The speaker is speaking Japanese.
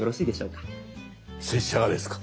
拙者がですか。